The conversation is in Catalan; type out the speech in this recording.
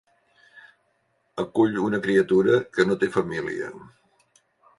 Acull una criatura que no té família.